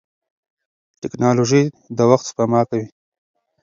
ټکنالوژي د وخت سپما کوي.